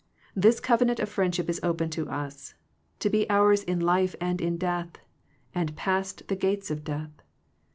This covenant of friendship is open to us, to be ours in life, and in death, and past the gates of death.